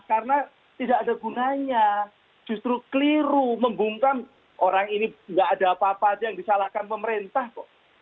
karena tidak ada gunanya justru keliru membungkam orang ini nggak ada apa apa aja yang disalahkan pemerintah kok